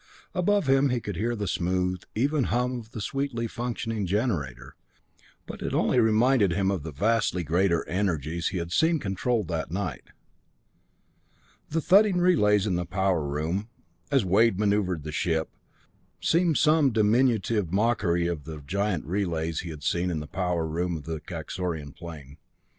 Above him he could hear the smooth, even hum of the sweetly functioning generator, but it only reminded him of the vastly greater energies he had seen controlled that night. The thudding relays in the power room, as Wade maneuvered the ship, seemed some diminutive mockery of the giant relays he had seen in the power room of the Kaxorian plane.